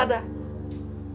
ada yang lupa ibadah